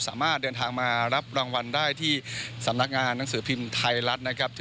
สามารถเดินทางมารับรางวัลได้ที่สำนักงานหนังสือพิมพ์ไทยรัฐนะครับ